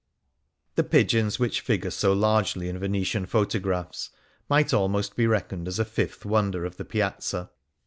57 Things Seen in Venice The pigeons which figure so largely in Vene tian photographs might almost be reckoned as a fifth wonder of the Piazza.